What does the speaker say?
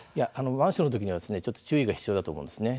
マンションのときにはちょっと注意が必要だと思うんですね。